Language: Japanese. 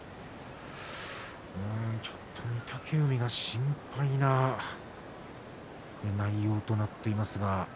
ちょっと御嶽海が心配な内容となっていますが。